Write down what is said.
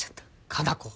加奈子。